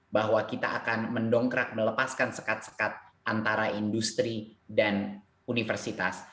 bahwa kita akan mendongkrak melepaskan sekat sekat antara industri dan universitas